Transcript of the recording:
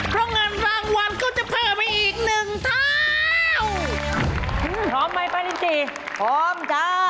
พร้อมจ้า